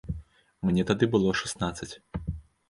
Мне тады было шаснаццаць.